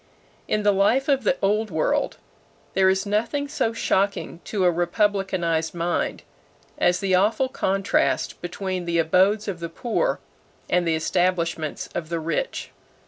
In the life of the Old World there is nothing so shocking to a republicanized mind as the awful contrast between the abodes of the poor and the establishments of the rich.